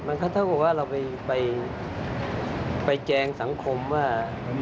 เท่ากับว่าเราไปแจงสังคมว่า